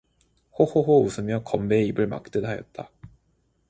호호호 웃으며 건배의 입을 막듯 하였다.